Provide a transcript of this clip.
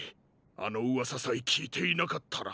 あのうわささえきいていなかったら。